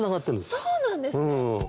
そうなんですね。